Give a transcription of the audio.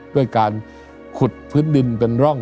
ด้วยการขุดพื้นดินเป็นร่อง